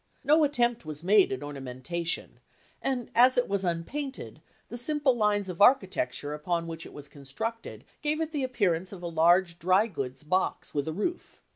No attempt was made at ornamentation ; and as it was unpainted, the simple lines of architecture upon which it was constructed gave it the appearance of a large dry goods box with a roof.